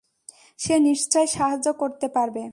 সে নিশ্চয়ই সাহায্য করতে পারবে।